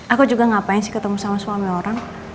aku juga ngapain sih ketemu sama suami orang